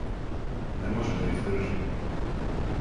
Не може да издржи.